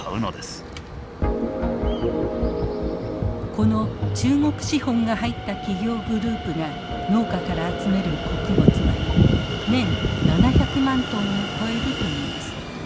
この中国資本が入った企業グループが農家から集める穀物は年７００万トンを超えるといいます。